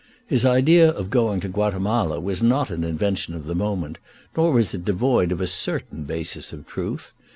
His idea of going to Guatemala was not an invention of the moment, nor was it devoid of a certain basis of truth.